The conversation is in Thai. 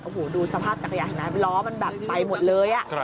โอ้โหดูสภาพจักรยานนะล้อมันแบบไปหมดเลย